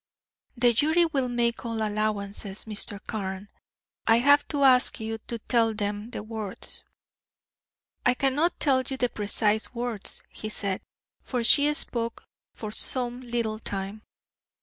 "The jury will make all allowances, Mr. Carne. I have to ask you to tell them the words." "I cannot tell you the precise words," he said, "for she spoke for some little time.